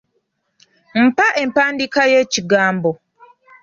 Mpa empandiika y'ekigambo.